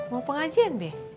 mau pengajian be